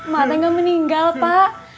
mbak jangan meninggal pak